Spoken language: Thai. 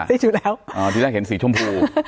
ชุดแล้วอ๋อทีแรกเห็นสีชมพู